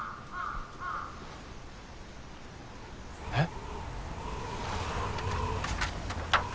えっ？